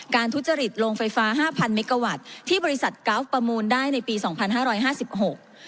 ทุจริตโรงไฟฟ้าห้าพันเมกาวัตต์ที่บริษัทกราฟประมูลได้ในปีสองพันห้าร้อยห้าสิบหก